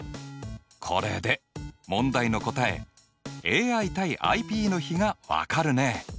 これで問題の答えＡＩ：ＩＰの比が分かるね！